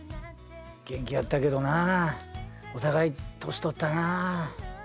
元気やったけどなお互い年とったな。